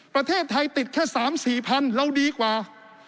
ประเทศไทยติดแค่๓๔๐๐๐แล้วดีกว่า